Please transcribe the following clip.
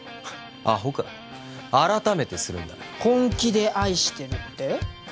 アホか改めてするんだ本気で愛してるって？